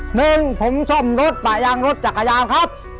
หนึ่งผมซ่อมรถปะยางรถจักรยานครับ